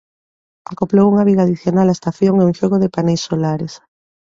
Acoplou unha viga adicional á estación e un xogo de paneis solares.